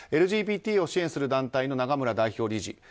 ＬＧＢＴを支援する団体の長村代表理事。